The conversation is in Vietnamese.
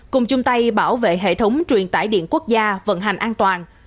cùng chung tay bảo vệ hệ thống truyền tải điện quốc gia vận hành an toàn